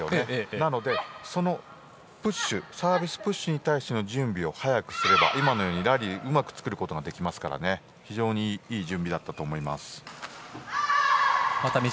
なのでそのサービスプッシュに対しての準備を早くすれば今のようにラリーをうまく作ることができますから非常にいい準備だったと思います。